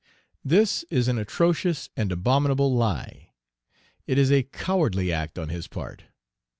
This is an atrocious and abominable lie: it is a cowardly act on his part.